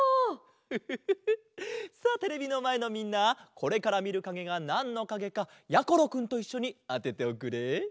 フフフフさあテレビのまえのみんなこれからみるかげがなんのかげかやころくんといっしょにあてておくれ。